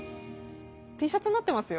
Ｔシャツになってますよ